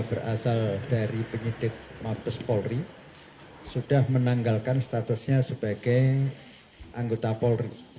nah penyitik yang lain yang semula berasal dari penyitik mabes polri sudah menanggalkan statusnya sebagai anggota polri